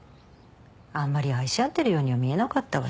あんまり愛し合ってるようには見えなかったわよ。